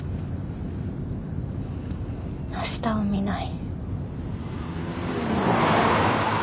あしたを見ない。